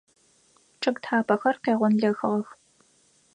Чъыг тхьапэхэр къегъонлэхыгъэх.